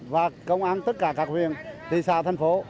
và công an tất cả các huyện tỉ xa thành phố